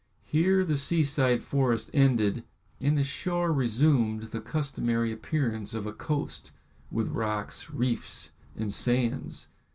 Here the seaside forest ended, and the shore resumed the customary appearance of a coast, with rocks, reefs, and sands.